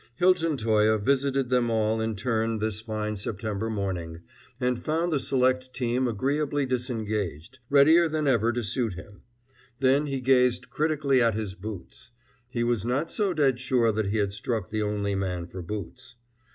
Hilton Toye visited them all in turn this fine September morning, and found the select team agreeably disengaged, readier than ever to suit him. Then he gazed critically at his boots. He was not so dead sure that he had struck the only man for boots.